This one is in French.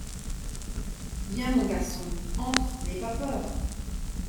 Viens, mon garçon, entre, n’aie pas peur!